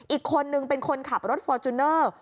อีกคนนึงเป็นคนขับรถฟอร์จูเนอร์